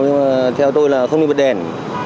nhưng mà theo tôi là không đi bật đèn